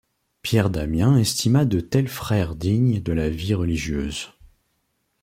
Pierre Damien estima de tels frères dignes de la vie religieuse.